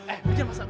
eh jangan masak